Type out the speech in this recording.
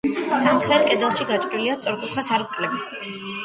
სამხრეთ კედელში გაჭრილია სწორკუთხა სარკმელი.